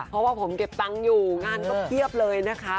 เพราะว่าผมเก็บตังค์อยู่งานก็เพียบเลยนะคะ